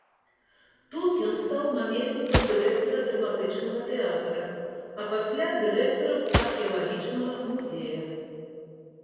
Тут ён стаў намеснікам дырэктара драматычнага тэатра, а пасля дырэктарам археалагічнага музея.